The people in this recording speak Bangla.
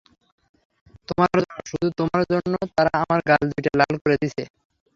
তোমার জন্য, শুধু তোমার জন্য তারা আমার গাল দুইটা লাল করে দিসে।